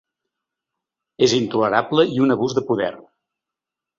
És intolerable i un abús de poder.